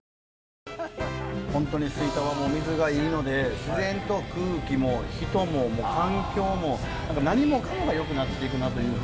本当に吹田は水がいいので自然と空気も人も環境も何もかもがよくなっていくなというふうに。